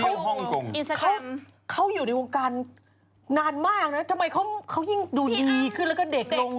เขาฮ่องกงเขาอยู่ในวงการนานมากนะทำไมเขายิ่งดูดีขึ้นแล้วก็เด็กลง